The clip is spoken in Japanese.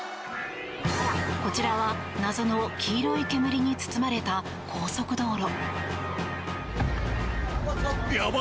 こちらは謎の黄色い煙に包まれた高速道路。